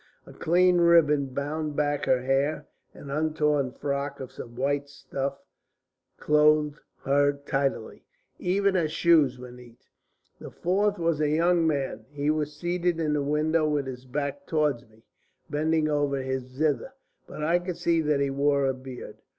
A clean ribbon bound back her hair, an untorn frock of some white stuff clothed her tidily; even her shoes were neat. The fourth was a young man; he was seated in the window, with his back towards me, bending over his zither. But I could see that he wore a beard.